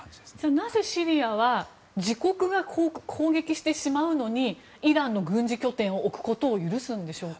なぜシリアは自国が攻撃してしまうのにイランの軍事拠点を置くことを許すんでしょうか。